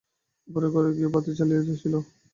উপরের ঘরে গিয়া বাতি জ্বালিয়া দুইজনে বসিল।